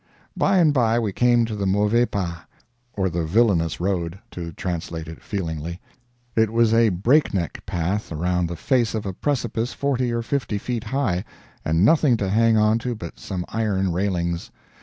By and by we came to the Mauvais Pas, or the Villainous Road, to translate it feelingly. It was a breakneck path around the face of a precipice forty or fifty feet high, and nothing to hang on to but some iron railings.